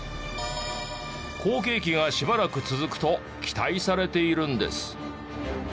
好景気がしばらく続くと期待されているんです。